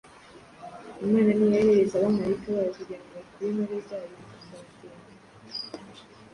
Imana ni yo yohereza abamarayika bayo kugira ngo bakure intore zayo mu kangaratete